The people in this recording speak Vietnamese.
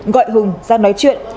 gọi hùng ra nói chuyện